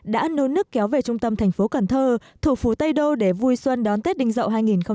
đã nôn nước kéo về trung tâm thành phố cần thơ thủ phủ tây đô để vui xuân đón tết đinh dậu hai nghìn một mươi bảy